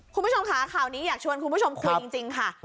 คุณผู้ชมค่ะข่าวนี้อยากชวนคุณผู้ชมคุยจริงค่ะ